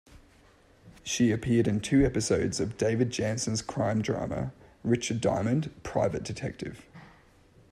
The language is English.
She appeared in two episodes of David Janssen's crime drama, "Richard Diamond, Private Detective".